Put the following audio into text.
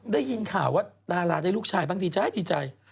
ได้ยินข่าวว่าดาราได้ลูกชายบ้างดีใจดีใจ